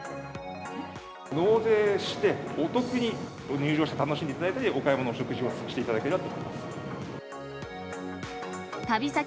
納税して、お得に入場して楽しんでいただいたり、お買い物、お食事をしていただければと思います。